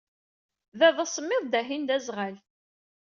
Da d asemmiḍ, dahin d aẓɣal.